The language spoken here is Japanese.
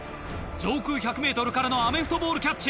上空１００ｍからのアメフトボールキャッチ。